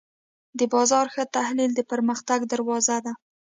د بازار ښه تحلیل د پرمختګ دروازه ده.